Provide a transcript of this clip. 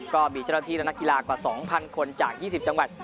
ก็มีเจ้าหน้าที่และนักกีฬากว่า๒๐๐คนจาก๒๐จังหวัด